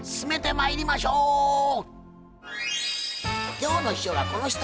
今日の秘書はこの人。